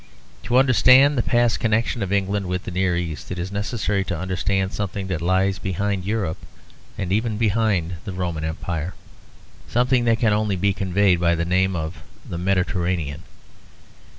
To understand the past connection of England with the near East, it is necessary to understand something that lies behind Europe and even behind the Roman Empire; something that can only be conveyed by the name of the Mediterranean.